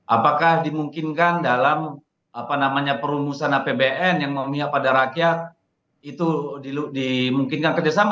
apakah dimungkinkan dalam perumusan apbn yang memihak pada rakyat itu dimungkinkan kerjasama